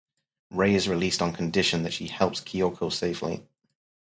Rei is released on condition that she helps Kyoko safely.